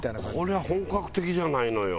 これは本格的じゃないのよ。